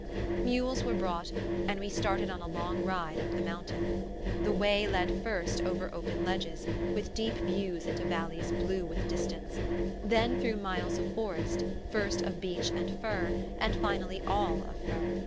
Mules were brought, and we started on a long ride up the mountain. The way led first over open ledges, with deep views into valleys blue with distance, then through miles of forest, first of beech and fir, and finally all of fir.